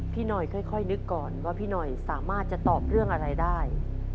พี่หน่อยค่อยนึกก่อนว่าพี่หน่อยสามารถจะตอบเรื่องอะไรได้